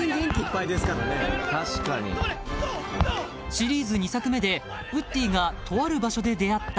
［シリーズ２作目でウッディがとある場所で出会った］